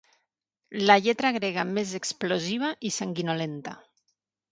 La lletra grega més explosiva i sanguinolenta.